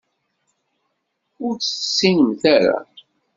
Ur tt-tessinemt ara.